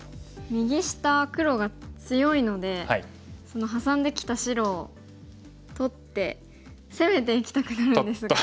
右下黒が強いのでそのハサんできた白を取って攻めていきたくなるんですが。